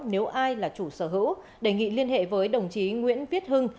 nếu ai là chủ sở hữu đề nghị liên hệ với đồng chí nguyễn viết hưng